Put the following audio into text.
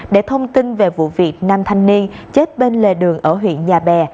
để thông tin về vụ việc năm thanh niên chết bên lề đường ở huyện nhà bè